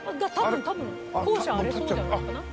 多分校舎あれそうじゃないかな？